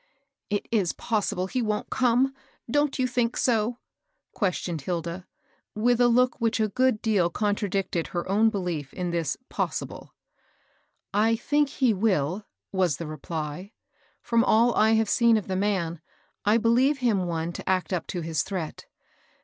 " It is possible he wont come, — don't you think so ?" questioned Hilda, with a look which a good deal contradicted her own beUef in this ^^ pos sible." I think he will," was the reply. " From all I have seen of the man, I beUeve him one to act up to his threat."